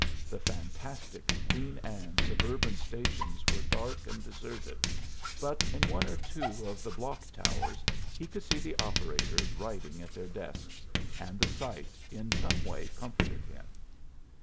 The fantastic Queen Anne suburban stations were dark and deserted, but in one or two of the block towers he could see the operators writing at their desks, and the sight in some way comforted him.